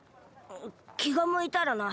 きがむいたらな。